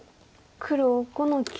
黒５の九。